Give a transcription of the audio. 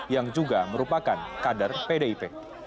yang juga merupakan kader pdip